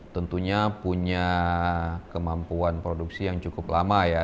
tentunya punya kemampuan produksi yang cukup lama ya